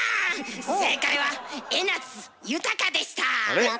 正解は江夏豊でした。